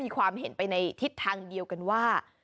ความเห็นไปในทิศทางเดียวกันว่า